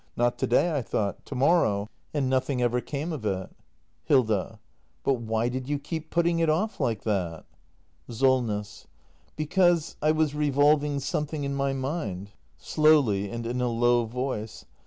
Not to day, I thought — to morrow; and nothing ever came of it. Hilda. But why did you keep putting it off like that ? SOLNESS. Because I was revolving something in my mind. [Slowly, and in a low voice.